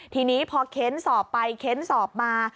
ทีนี้พอเค้นสอบไปเค้นสอบมา